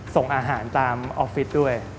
ส่งอาหารตามออฟฟิศด้วย